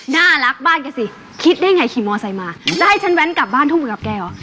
น่ารักบ้านแกสิคิดได้ไงขี่มอไซค์มาจะให้ฉันแว้นกลับบ้านทุกมือกับแกเหรอ